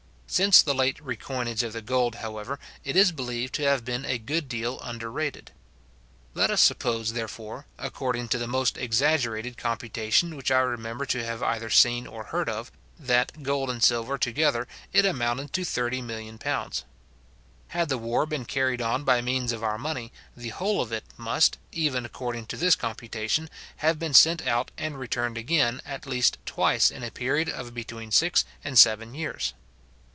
Since the late recoinage of the gold, however, it is believed to have been a good deal under rated. Let us suppose, therefore, according to the most exaggerated computation which I remember to have either seen or heard of, that, gold and silver together, it amounted to £30,000,000. Had the war been carried on by means of our money, the whole of it must, even according to this computation, have been sent out and returned again, at least twice in a period of between six and seven years.